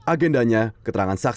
agendanya keterangan sejarah